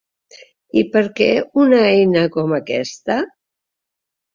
I per què una eina com aquesta?